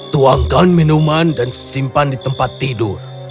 tuangkan minuman dan simpan di tempat tidur